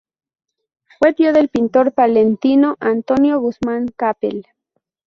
Fue tío del pintor palentino Antonio Guzmán Capel.